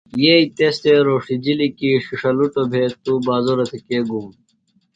یئی تس تھےۡ رھوݜِجِلیۡ کی ݜِݜَلُٹوۡ بھےۡ توۡ بازورہ تھےۡ کے گُوم۔